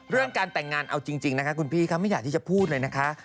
เรื่องการแต่งงานเอาจริงนะคะคุณพี่เขาไม่อยากที่จะพูดเลยนะคะ